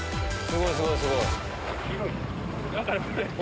すごいすごい！